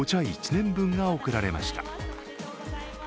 １年分が贈られました。